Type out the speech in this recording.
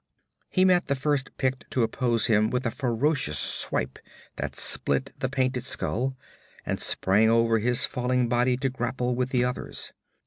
He met the first Pict to oppose him with a ferocious swipe that split the painted skull, and sprang over his falling body to grapple with the others.